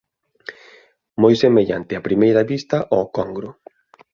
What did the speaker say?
Moi semellante a primeira vista ao congro.